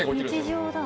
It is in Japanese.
日常だ。